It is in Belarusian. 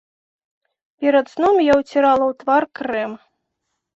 Перад сном я ўцірала ў твар крэм.